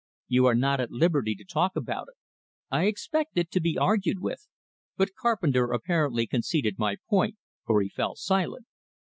You are not at liberty to talk about it." I expected to be argued with; but Carpenter apparently conceded my point, for he fell silent.